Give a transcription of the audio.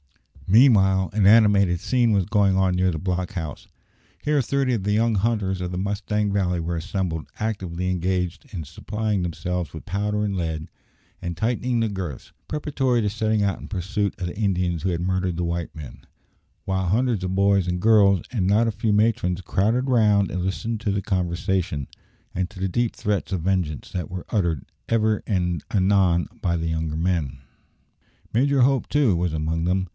Meanwhile an animated scene was going on near the block house. Here thirty of the young hunters of the Mustang Valley were assembled, actively engaged in supplying themselves with powder and lead, and tightening their girths, preparatory to setting out in pursuit of the Indians who had murdered the white men; while hundreds of boys and girls, and not a few matrons, crowded round and listened to the conversation, and to the deep threats of vengeance that were uttered ever and anon by the younger men. Major Hope, too, was among them.